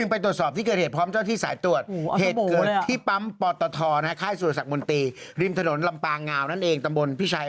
น่ารักแล้วจะรักเราเปล่า